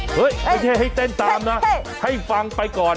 เฮ้ยไม่ใช่ให้เต้นตามนะให้ฟังไปก่อน